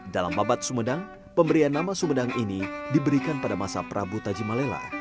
dalam babat sumedang pemberian nama sumedang ini diberikan pada masa prabu tajimalela